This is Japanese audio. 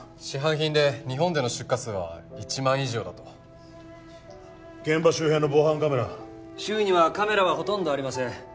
市販品で日本での出荷数は１万以上だと現場周辺の防犯カメラ周囲にはカメラはほとんどありません